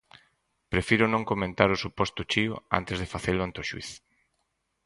Prefiro non comentar o suposto chío antes de facelo ante o xuíz.